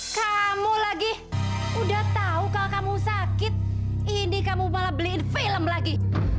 kamu lagi udah tahu kalau kamu sakit ini kamu malah beliin film lagi